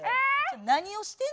何をしてんの？